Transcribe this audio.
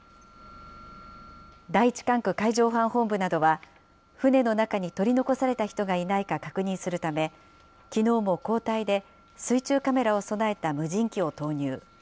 第１管区海上保安本部などは、船の中に取り残された人がいないか確認するため、きのうも交代で水中カメラを備えた無人機を投入。